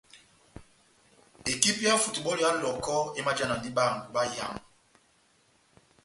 Ekipi yá futubɔlu ya Lɔhɔkɔ emajanadi bahangwi bayamu.